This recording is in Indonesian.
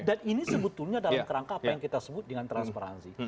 dan ini sebetulnya dalam kerangka apa yang kita sebut dengan transparansi